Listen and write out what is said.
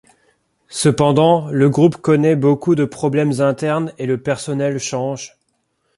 Cependant, le groupe connait beaucoup de problèmes internes et le personnel change.